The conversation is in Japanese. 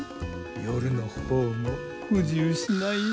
夜の方も不自由しないよ。